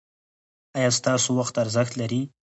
ایا ستاسو وخت ارزښت لري؟